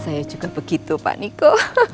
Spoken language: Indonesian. saya juga begitu pak niko